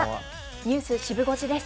ニュースシブ５時です。